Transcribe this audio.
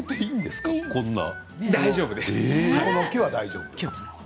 大丈夫です。